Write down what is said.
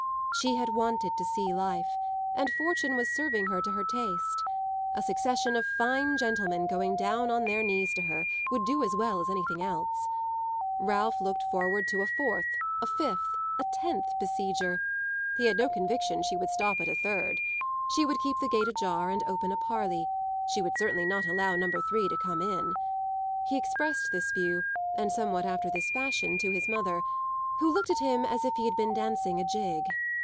She had wanted to see life, and fortune was serving her to her taste; a succession of fine gentlemen going down on their knees to her would do as well as anything else. Ralph looked forward to a fourth, a fifth, a tenth besieger; he had no conviction she would stop at a third. She would keep the gate ajar and open a parley; she would certainly not allow number three to come in. He expressed this view, somewhat after this fashion, to his mother, who looked at him as if he had been dancing a jig.